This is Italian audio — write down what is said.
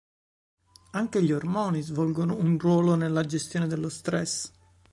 Anche gli ormoni svolgono un ruolo nella gestione dello stress.